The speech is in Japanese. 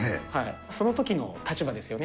そのときの立場ですよね。